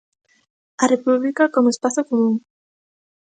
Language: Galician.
A República como espazo común.